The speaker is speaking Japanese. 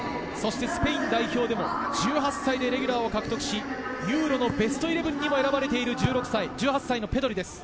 スペイン代表でも１８歳でレギュラーを獲得し、ユーロのベストイレブンに選ばれている１８歳ペドリです。